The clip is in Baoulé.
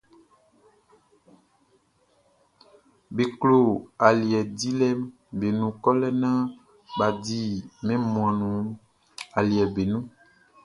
Be klo aliɛ diwlɛʼm be nun kɔlɛ naan bʼa di mɛn wunmuanʼn nun aliɛʼm be nun.